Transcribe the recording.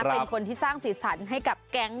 เป็นคนที่สร้างสีสันให้กับแก๊ง